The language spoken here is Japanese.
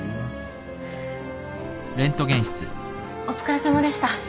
お疲れさまでした。